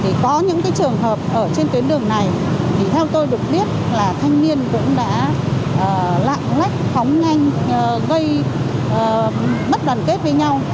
thì có những trường hợp ở trên tuyến đường này thì theo tôi được biết là thanh niên cũng đã lạng lách phóng nhanh gây mất đoàn kết với nhau